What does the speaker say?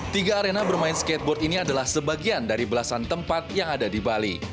tiga arena bermain skateboard ini adalah sebagian dari belasan tempat yang ada di bali